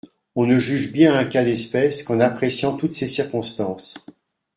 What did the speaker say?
On ne juge bien un cas d’espèce qu’en appréciant toutes ses circonstances.